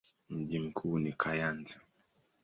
Mji mkuu ni Kayanza.